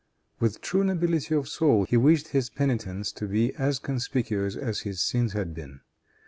With true nobility of soul, he wished his penitence to be as conspicuous as his sins had been.